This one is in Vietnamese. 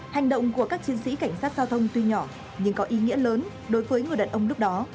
hành động của các chiến sĩ cảnh sát giao thông tuy nhỏ nhưng có ý nghĩa lớn đối với người đàn ông lúc đó